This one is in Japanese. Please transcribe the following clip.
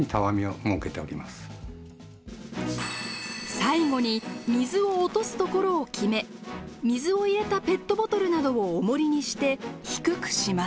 最後に水を落とすところを決め水を入れたペットボトルなどをおもりにして低くします。